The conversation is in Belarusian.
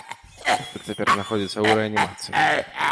Хлопчык цяпер знаходзіцца ў рэанімацыі.